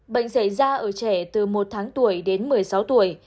bệnh xảy ra ở trẻ từ một tháng tuổi đến một mươi sáu tuổi